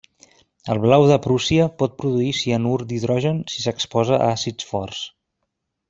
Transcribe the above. El blau de Prússia pot produir cianur d'hidrogen si s'exposa a àcids forts.